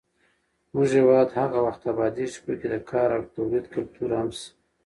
زموږ هېواد هغه وخت ابادېږي چې پکې د کار او تولید کلتور عام شي.